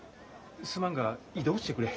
すまんが移動してくれ。